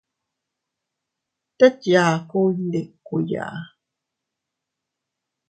Tet yaku iyndikuiya.